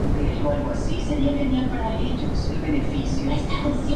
En la geografía española se localizan distintas cátedras de flamencología.